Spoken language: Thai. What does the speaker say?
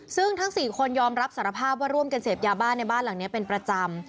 ซึ่งทั้ง๔คนยอมรับสารภาพว่าร่วมกันเสพยาบ้านในบ้านหลังนี้เป็นประจำ